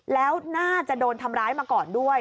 แล้วน่าจะโดนทำร้ายมาก่อนด้วย